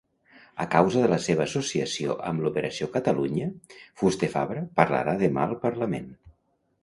A causa de la seva associació amb l'Operació Catalunya, Fuster-Fabra parlarà demà al parlament.